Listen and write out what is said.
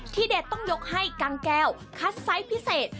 ที่เดทต้องยกให้กางแก้วคัทไซส์พิเศษ